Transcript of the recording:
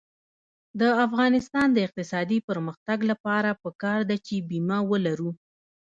د افغانستان د اقتصادي پرمختګ لپاره پکار ده چې بیمه ولرو.